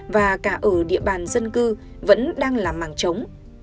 và cả ở địa bàn dân cư vẫn đang là mảng trống